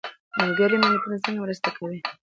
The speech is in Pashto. ملګري ملتونه څنګه مرسته کوي؟